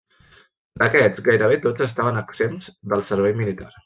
D'aquests gairebé tots estaven exempts del servei militar.